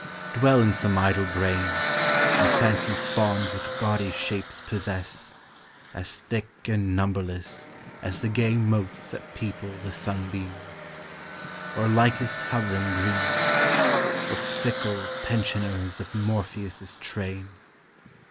Dwell in some idle brain, And fancies fond with gaudy shapes possess, As thick and numberless As the gay motes that people the sunbeams, — Or likest hovering dreams, The fickle pensioners of Morpheus' train.